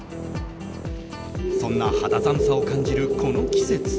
そんな肌寒さを感じるこの季節。